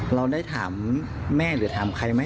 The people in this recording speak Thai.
เราได้ถามแม่หรือถามใครไหม